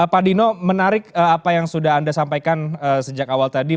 pak dino menarik apa yang sudah anda sampaikan sejak awal tadi